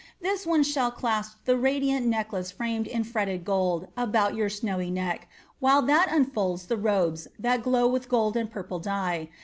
This one shall clasp The radiant n^sklace framed in fretted gold About your snowy neck, while that unfolds The robes that glow with gold and purple dye.